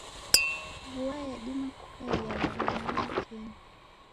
Vua yadima kukaia ya luma lwa kenyi.